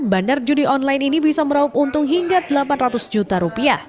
bandar judi online ini bisa meraup untung hingga rp delapan ratus juta rupiah